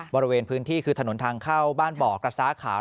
บริเวณพื้นที่คือถนนทางเข้าบ้านบ่อกระซ้าขาว